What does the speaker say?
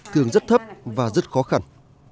cường rất thấp và rất khó khăn